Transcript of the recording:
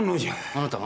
あなたが？